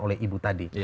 oleh ibu tadi